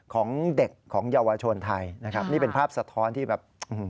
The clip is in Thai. ของเด็กของเยาวชนไทยนะครับนี่เป็นภาพสะท้อนที่แบบ